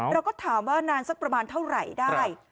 เราก็ถามว่านานสักประมาณเท่าไหร่ได้